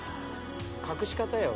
隠し方よ